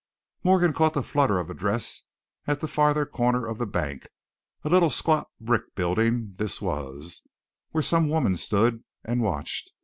Morgan caught the flutter of a dress at the farther corner of the bank a little squat brick building this was where some woman stood and watched.